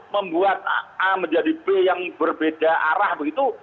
membuat a menjadi b yang berbeda arah begitu